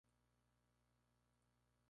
Está abierta al público con visitas es guiadas.